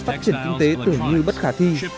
phát triển kinh tế tưởng như bất khả thi